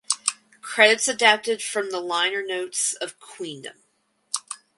Credits adapted from the liner notes of "Queendom".